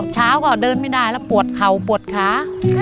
เช้าก็เดินไม่ได้แล้วปวดเข่าปวดขา